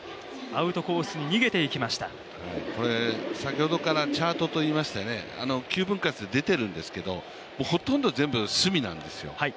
これ先ほどからチャートといいまして、９分割で出ているんですけれどもほとんど全部隅なんですよ。